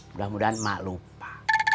mudah mudahan mak lupa